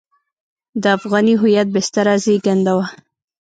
د افغاني هویت بستر زېږنده وو.